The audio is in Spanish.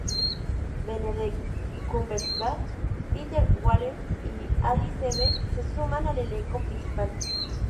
Benedict Cumberbatch, Peter Weller y Alice Eve se suman al elenco principal.